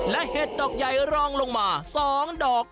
และเห็ดดอกใหญ่รองลงมา๒ดอก